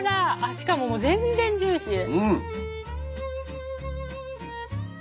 しかももう全然ジューシー。